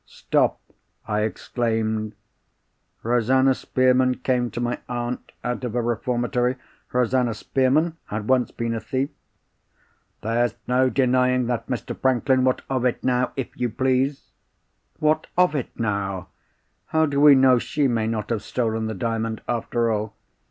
"Stop!" I exclaimed. "Rosanna Spearman came to my aunt out of a reformatory? Rosanna Spearman had once been a thief?" "There's no denying that, Mr. Franklin. What of it now, if you please?" "What of it now? How do we know she may not have stolen the Diamond after all?